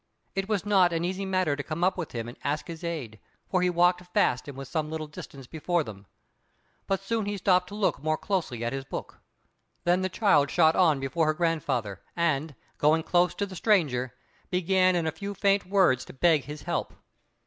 It was not an easy matter to come up with him and ask his aid, for he walked fast, and was some little distance before them. But soon he stopped to look more closely at his book. Then the child shot on before her grandfather, and, going close to the stranger, began in a few faint words to beg his help.